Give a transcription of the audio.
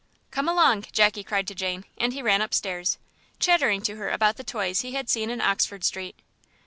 "Come along," Jackie cried to Jane, and he ran upstairs, chattering to her about the toys he had seen in Oxford Street.